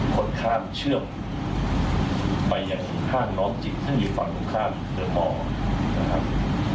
ขนคร้ามเชื่อมไปยังห้างน้อมจิตซึ่งยิบขวางถูกข้ามเกลือหมอนะครับ